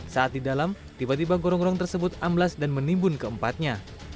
saat di dalam tiba tiba gorong gorong tersebut amblas dan menimbun keempatnya